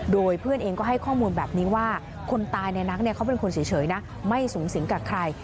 โดยเพื่อนเองก็ให้ข้อมูลแบบนี้ว่าคนตายในนักเขาเป็นคนเฉยนะไม่สูงสิงกับใคร